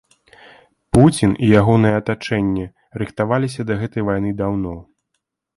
Пуцін і ягонае атачэнне рыхтаваліся да гэтай вайны даўно.